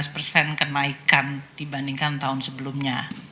lima belas persen kenaikan dibandingkan tahun sebelumnya